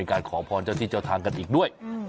การขอพรเจ้าที่เจ้าทางกันอีกด้วย